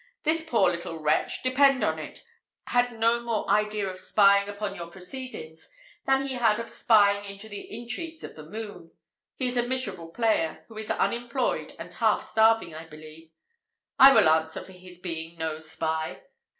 This poor little wretch, depend on it, had no more idea of spying upon your proceedings, than he had of spying into the intrigues of the moon. He is a miserable player, who is unemployed, and half starving, I believe. I will answer for his being no spy."